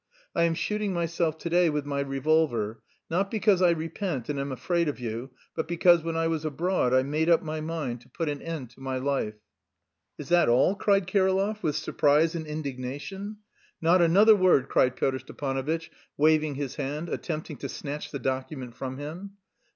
I am shooting myself to day with my revolver, not because I repent and am afraid of you, but because when I was abroad I made up my mind to put an end to my life." "Is that all?" cried Kirillov with surprise and indignation. "Not another word," cried Pyotr Stepanovitch, waving his hand, attempting to snatch the document from him.